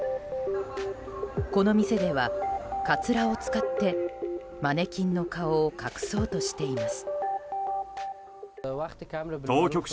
この店では、カツラを使ってマネキンの顔を隠そうとしています。